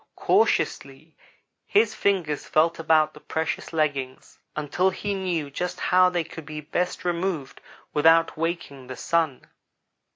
Cautiously his fingers felt about the precious leggings until he knew just how they could best be removed without waking the Sun.